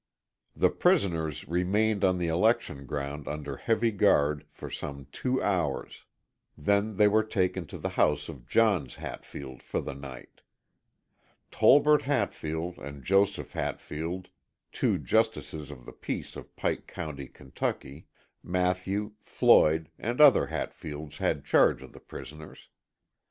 The prisoners remained on the election ground under heavy guard, for some two hours. Then they were taken to the house of Johns Hatfield for the night. Tolbert Hatfield and Joseph Hatfield, two justices of the peace of Pike County, Kentucky, Mathew, Floyd and other Hatfields had charge of the prisoners.